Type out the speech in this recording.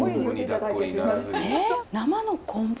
生の昆布？